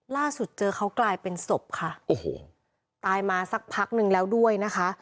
ล่าสุดเจอเขากลายเป็นศพค่ะโอ้โหตายมาสักพักนึงแล้วด้วยนะคะ